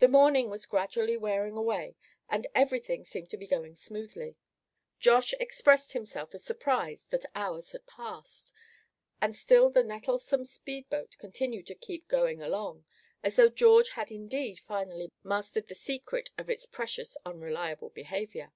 The morning was gradually wearing away, and everything seemed to be going smoothly. Josh expressed himself as surprised that hours had passed, and still the nettlesome speed boat continued to keep going along, as though George had indeed finally mastered the secret of its precious unreliable behavior.